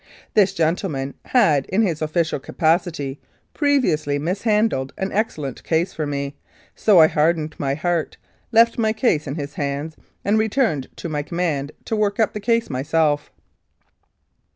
This gentleman had, in his official capacity, previously mishandled an excellent case for me, so I hardened my heart, left my case in his hands, and returned to my command to work up the case myself.